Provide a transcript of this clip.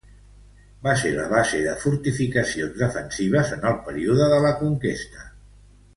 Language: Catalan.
Va ser la base de fortificacions defensives en el període de la conquesta.